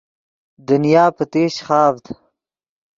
دنیا پتیشچ خاڤد